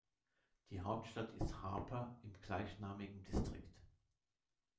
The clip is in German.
Die Hauptstadt ist Harper im gleichnamigen District.